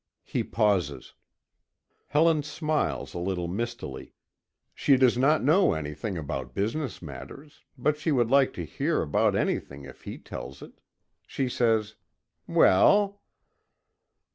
He pauses. Helen smiles a little mistily. She does not know anything about business matters, but she will like to hear about anything if he tells it. She says: "Well?"